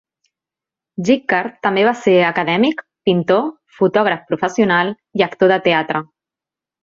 Jichkar també va ser acadèmic, pintor, fotògraf professional i actor de teatre.